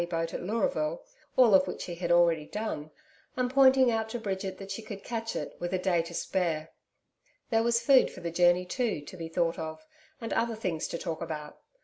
boat at Leuraville all of which he had already done, and pointing out to Bridget that she could catch it, with a day to spare. There was food for the journey too, to be thought of, and other things to talk about.